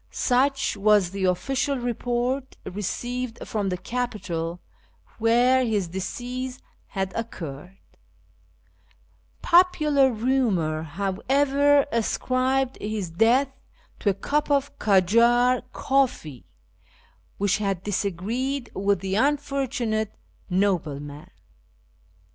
Such was the ofiicial report received from the capital, where his decease had occurred : po2:»ular rumour, liow ever, ascribed his death to a cup of " Kajar coffee," which had disagreed with the unfortunate nobleman.